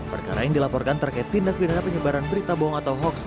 perkara yang dilaporkan terkait tindak pidana penyebaran berita bohong atau hoax